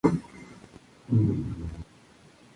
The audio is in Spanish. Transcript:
Un campamento de verano.